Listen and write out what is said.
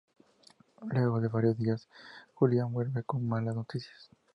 Luego de varios días, Julián vuelve con malas noticias.